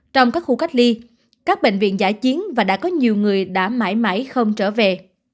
trong các khu cách ly các bệnh viện giải chiến và đã có nhiều người đã mãi mãi không trở về